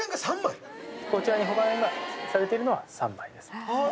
こちらに保管されてるのは３枚です。